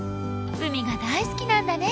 海が大好きなんだね。